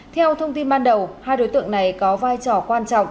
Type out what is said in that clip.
theo thông tin ban đầu hai đối tượng này có vai trò quan trọng